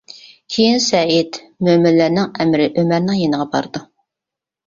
كېيىن سەئىد مۆمىنلەرنىڭ ئەمىرى ئۆمەرنىڭ يېنىغا بارىدۇ.